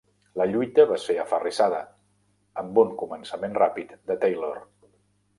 La lluita va ser aferrissada, amb un començament ràpid de Taylor.